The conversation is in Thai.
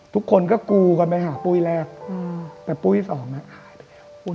ทุกคนก็กูกันไปหาปุ้ยแรกแต่ปุ้ยสองอ่ะ